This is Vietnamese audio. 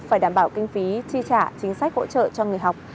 phải đảm bảo kinh phí chi trả chính sách hỗ trợ cho người học